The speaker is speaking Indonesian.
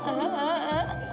shh tak baik